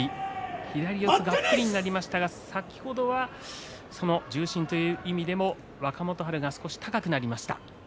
左四つがっぷりになりましたが先ほどはその中心という意味では若元春が少し高くなりました。